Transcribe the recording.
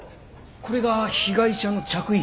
これが被害者の着衣。